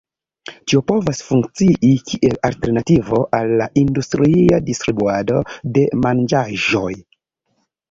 Tio povas funkcii kiel alternativo al la industria distribuado de manĝaĵoj.